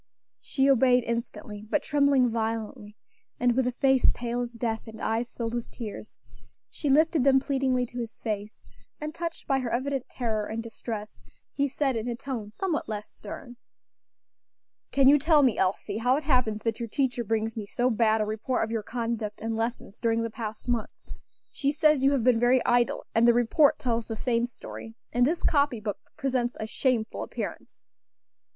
She obeyed instantly, but trembling violently, and with a face pale as death, and eyes filled with tears. She lifted them pleadingly to his face; and, touched by her evident terror and distress, he said in a tone somewhat less stern, "Can you tell me, Elsie, how it happens that your teacher brings me so bad a report of your conduct and lessons during the past month? She says you have been very idle; and the report tells the same story; and this copy book presents a shameful appearance."